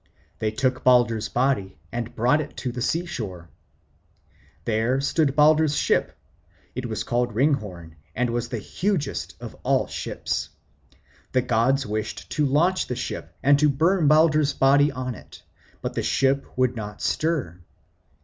They took Balder's body and brought it to the sea shore. There stood Balder's ship; it was called Ringhorn, and was the hugest of all ships. The gods wished to launch the ship and to burn Balder's body on it, but the ship would not stir.